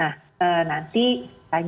nah nanti kita akan mencari penyelesaian